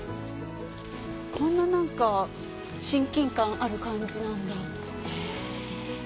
こんな何か親近感ある感じなんだへぇ。